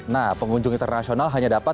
nah pengunjung internasional hanya dapat